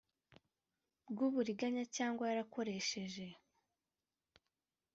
bw uburiganya cyangwa yarakoresheje